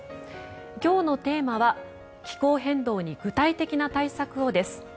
今日のテーマは「気候変動に具体的な対策を」です。